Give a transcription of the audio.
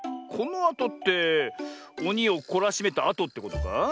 このあとっておにをこらしめたあとってことか？